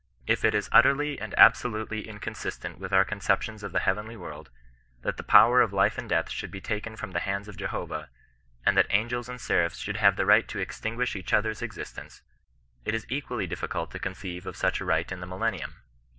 If it is utterly and absolutely inconsistent with our conceptions of the heavenly world, that the power of life and death should be taken from the hands of Jehovah, and that angels and seraphs should have the right to extinguish each other's existence, it is equally difficult to conceive of such a right in the millennium.